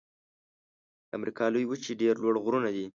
د امریکا لویې وچې ډېر لوړ غرونه دي.